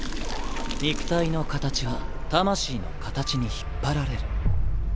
肉体の形は魂の形に引っ張られる。